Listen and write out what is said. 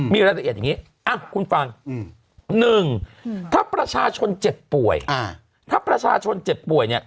มีรายละเอียดอย่างนี้คุณฟัง๑ถ้าประชาชนเจ็บป่วย